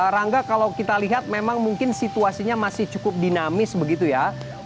rangga kalau kita lihat memang mungkin situasinya masih cukup dinamis begitu ya